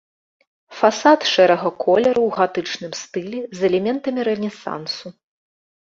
Фасад шэрага колеру ў гатычным стылі з элементамі рэнесансу.